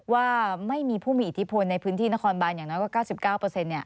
ว่าไม่มีผู้มีอิทธิพลในพื้นที่นครบานอย่างน้อยกว่า๙๙